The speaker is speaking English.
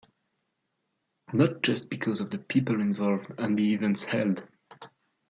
Not just because of the people involved and the events held.